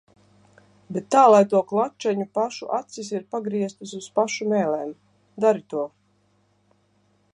Bet tā lai to klačeņu pašu acis ir pagrieztas uz pašu mēlēm. Dari to.